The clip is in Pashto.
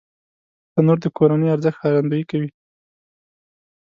تنور د کورنی ارزښت ښکارندويي کوي